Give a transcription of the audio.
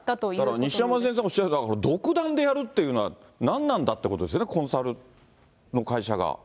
だから、西山先生おっしゃるのは、独断でやるというのは、何なんだっていうことですよね、コンサルの会社が。